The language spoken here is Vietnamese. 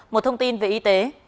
một thông tin về y tế